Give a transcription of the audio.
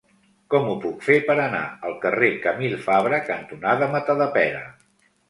Com ho puc fer per anar al carrer Camil Fabra cantonada Matadepera?